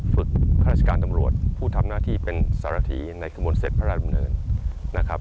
ข้าราชการตำรวจผู้ทำหน้าที่เป็นสารถีในขบวนเสร็จพระราชดำเนินนะครับ